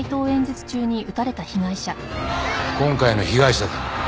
今回の被害者だ。